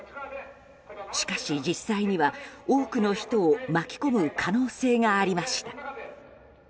しかし、実際には多くの人を巻き込む可能性がありました。